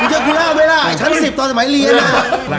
มึงจะกูเล่าไหมล่ะชั้น๑๐ตอนสมัยเรียนอ่ะ